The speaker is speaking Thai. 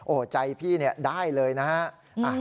โอ้โหใจพี่ได้เลยนะฮะ